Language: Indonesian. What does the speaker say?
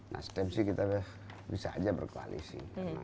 nasdem sih kita bisa aja berkoalisi